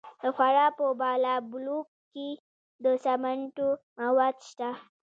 د فراه په بالابلوک کې د سمنټو مواد شته.